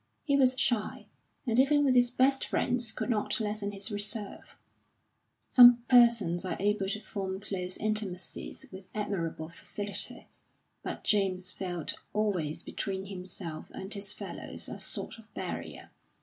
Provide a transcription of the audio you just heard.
He was shy, and even with his best friends could not lessen his reserve. Some persons are able to form close intimacies with admirable facility, but James felt always between himself and his fellows a sort of barrier.